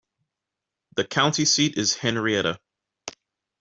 The county seat is Henrietta.